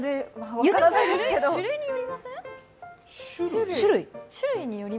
種類によりません？